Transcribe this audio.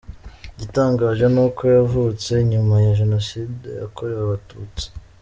Igitangaje ni uko yavutse nyuma ya Jenoside yakorewe Abatutsi.